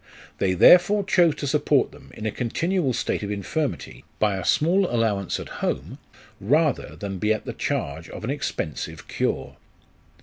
They therefore chose to support them in a continual state of infirmity, by a small allowance at home, rather than be at the charge of an expensive cure.